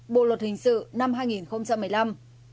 bộ luật hình sự năm hai nghìn một mươi năm